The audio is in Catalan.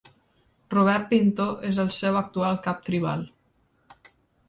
Robert Pinto és el seu actual cap tribal.